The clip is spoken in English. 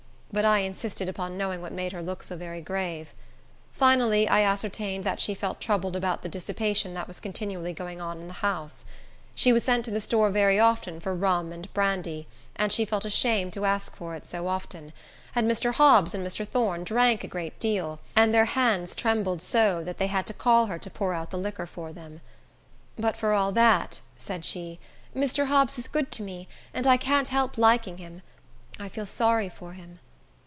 But I insisted upon knowing what made her look so very grave. Finally, I ascertained that she felt troubled about the dissipation that was continually going on in the house. She was sent to the store very often for rum and brandy, and she felt ashamed to ask for it so often; and Mr. Hobbs and Mr. Thorne drank a great deal, and their hands trembled so that they had to call her to pour out the liquor for them. "But for all that," said she, "Mr. Hobbs is good to me, and I can't help liking him. I feel sorry for him."